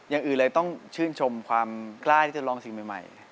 อย่างอื่นเลยต้องชื่นชมความกล้าที่จะลองสิ่งใหม่